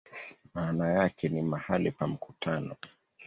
Maana yake ni "mahali pa mkutano".